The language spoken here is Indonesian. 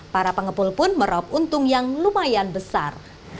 para pengepul pun meraup untung yang lumayan besar